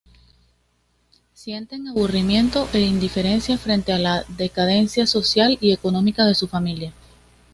Sienten aburrimiento e indiferencia frente a la decadencia social y económica de su familia.